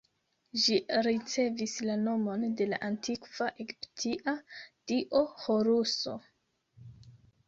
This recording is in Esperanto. Ĝi ricevis la nomon de la antikva egiptia dio Horuso.